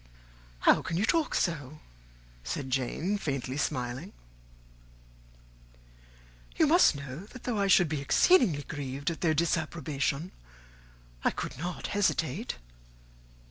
"How can you talk so?" said Jane, faintly smiling; "you must know, that, though I should be exceedingly grieved at their disapprobation, I could not hesitate."